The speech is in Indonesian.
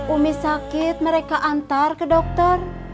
umi sakit mereka antar ke dokter